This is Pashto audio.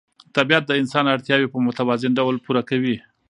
طبیعت د انسان اړتیاوې په متوازن ډول پوره کوي